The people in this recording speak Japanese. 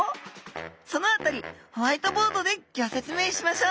その辺りホワイトボードでギョ説明しましょう！